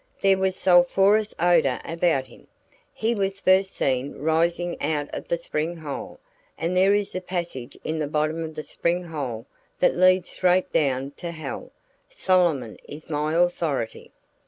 There was a sulphurous odor about him. He was first seen rising out of the spring hole, and there is a passage in the bottom of the spring hole that leads straight down to hell. Solomon is my authority.